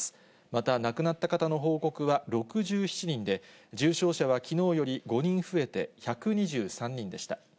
また、亡くなった方の報告は６７人で、重症者はきのうより５人増えて１２３人でした。